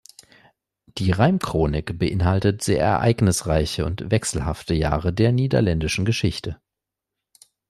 Die Reimchronik beinhaltet sehr ereignisreiche und wechselhafte Jahre der niederländischen Geschichte.